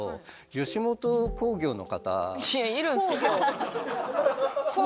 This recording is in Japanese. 吉本興業の。